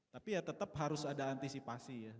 tapi ya tetap harus ada antisipasi ya